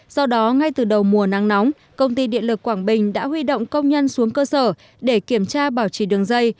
do đó ngay từ đầu mùa nắng nóng công ty điện lực quảng bình đã huy động công nhân xuống cơ sở để kiểm tra bảo trì đường dây